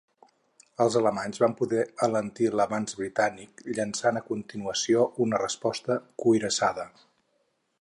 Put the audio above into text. Els alemanys van poder alentir l'avanç britànic, llançant a continuació una resposta cuirassada.